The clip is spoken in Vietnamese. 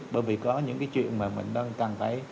bởi vì có những chuyện mà mình đang càng thấy